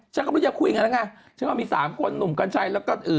ฉันก็ไม่รู้จะคุยอย่างนั้นนะฉันก็มี๓คนหนุ่มกัญชัยแล้วก็